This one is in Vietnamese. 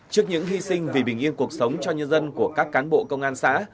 trước những hy sinh vì bình yên cuộc sống cho nhân dân của các cán bộ công an xã